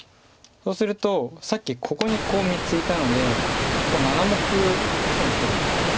そうするとさっきここにこう３ついたのでここ７目損してるんです。